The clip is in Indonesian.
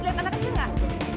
lihat anak kecil nggak